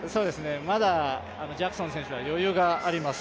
まだジャクソン選手は余裕があります。